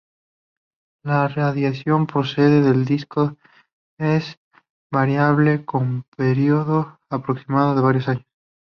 La radiación procedente del disco es variable con un período aproximado de varios años.